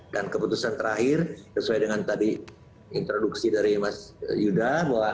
dan keputusan terakhir sesuai dengan tadi introduksi dari mas yuda